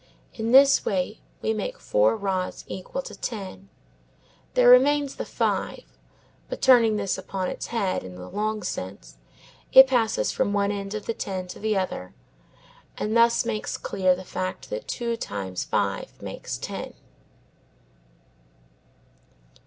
In this way we make four rods equal to ten. There remains the five, but, turning this upon its head (in the long sense), it passes from one end of the ten to the other, and thus makes clear the fact that two times five makes ten.